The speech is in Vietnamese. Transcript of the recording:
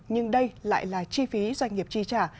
nhưng đây lại là chi phí doanh nghiệp chi trả